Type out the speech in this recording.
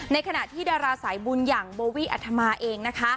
ในขณะที่ดาราสายบุญหยังบวิอัธมาเอง